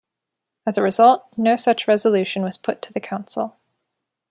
As a result, no such resolution was put to the Council.